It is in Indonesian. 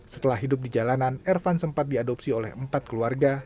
setelah hidup di jalanan ervan sempat diadopsi oleh empat keluarga